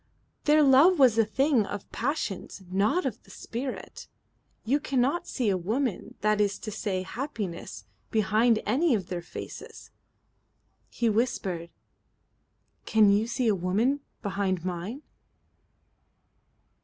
"Their love was a thing of the passions, not of the spirit. You cannot see a woman, that is to say happiness, behind any of their faces." He whispered: "Can you see a woman behind mine."